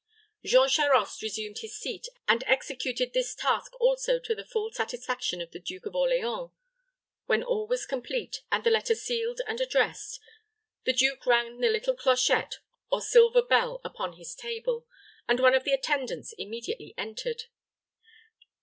Jean Charost resumed his seat, and executed this task also to the full satisfaction of the Duke of Orleans. When all was complete, and the letter sealed and addressed, the duke rang the little clochette, or silver bell upon his table, and one of the attendants immediately entered.